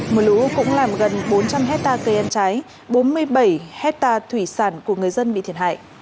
mưa lũ cũng làm gần bốn trăm linh hectare cây ăn trái bốn mươi bảy hectare thủy sản của người dân bị thiệt hại